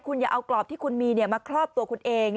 คุณอย่าเอากรอบที่คุณมีมาครอบตัวคุณเอง